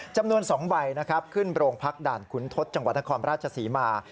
จำนวน๒ใบนะครับขึ้นโรงพักด่านขุนทศจังหวัดนครราชศรีมา